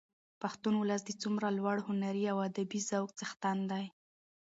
پښتون ولس د څومره لوړ هنري او ادبي ذوق څښتن دي.